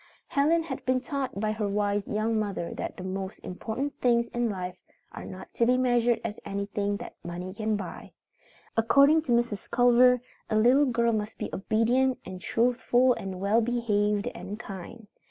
Helen had been taught by her wise young mother that the most important things in life are not to be measured as anything that money can buy. According to Mrs. Culver, a little girl must be obedient and truthful and well behaved and kind.